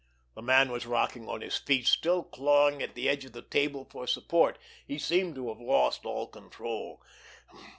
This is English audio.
The man was rocking on his feet, still clawing at the edge of the table for support. He seemed to have lost all self control.